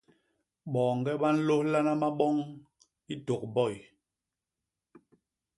Boñge ba nlôhlana maboñ i tôk boy.